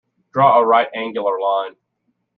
Draw a right-angular line.